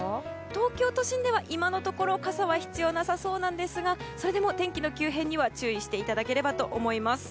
東京都心では今のところ傘は必要なさそうですがそれでも天気の急変には注意していただければと思います。